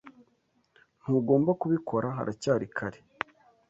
Ntugomba kubikora haracyari kare.